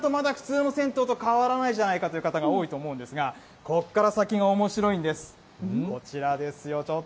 ここまでだと、まだ普通の銭湯と変わらないじゃないかという方が多いと思うんですが、ここから先が面白いんです。